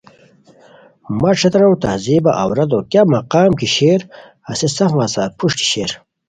مگر ݯھترارو تہذیبہ عورتو کیہ مقام کی شیر ہسے سفان سار پروشٹی شیر